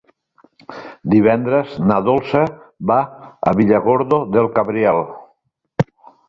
Divendres na Dolça va a Villargordo del Cabriel.